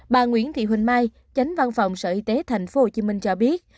bà nguyễn thị huỳnh mai chánh văn phòng sở y tế tp hcm cho biết